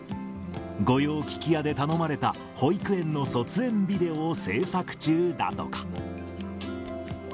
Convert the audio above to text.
御用聞き屋で頼まれた保育園の卒園ビデオを制作中だとか。